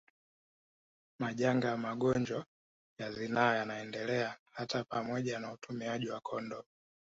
Majanga ya magonjwa ya zinaa yanaendelea hata pamoja na utumiaji wa kondomu